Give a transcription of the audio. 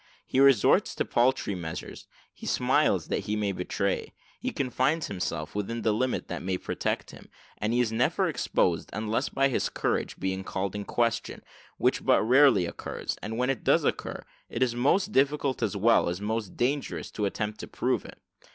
He resorts to paltry measures he smiles that he may betray he confines himself within the limit that may protect him; and he is never exposed, unless by his courage being called in question, which but rarely occurs; and when it does occur, it is most difficult, as well as most dangerous, to attempt to prove it.